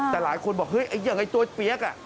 แต่หลายคนบอกเฮ้ยไอ้อย่างไอ้ตัวเปี๊ยก